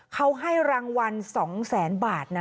เขาให้รางวัล๒แสนบาทนะ